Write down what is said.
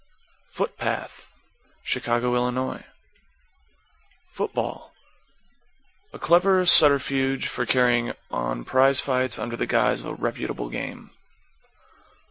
=FOOT PATH= Chicago, Ill. =FOOTBALL= A clever subterfuge for carrying on prize fights under the guise of a reputable game.